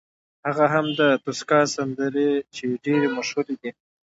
هغه هم د توسکا سندرې چې ډېرې مشهورې دي.